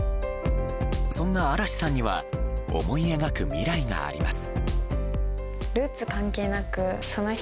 そんな嵐さんには思い描く未来があります。